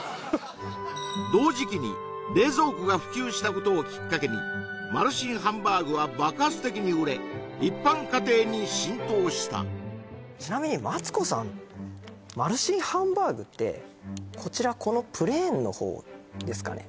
同時期に冷蔵庫が普及したことをきっかけにマルシンハンバーグは爆発的に売れ一般家庭に浸透したちなみにマツコさんマルシンハンバーグってこちらこのプレーンの方ですかね？